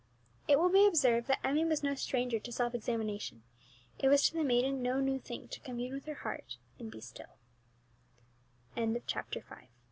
It will be observed that Emmie was no stranger to self examination; it was to the maiden no new thing to commune with her heart and b